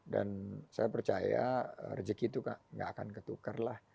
dan saya percaya rejeki itu tidak akan ketukar